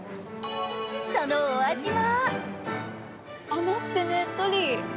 そのお味は？